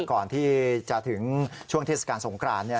ก่อนที่จะถึงช่วงเทศกาลสงคราน